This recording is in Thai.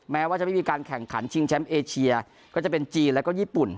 แม้ว่าจะไม่มีการแข่งขันชิงแชมป์เอเชียก็จะเป็นจีนแล้วก็ญี่ปุ่น